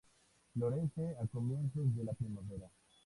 Florece a comienzos de primavera.